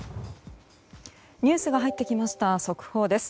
ニュースが入ってきました速報です。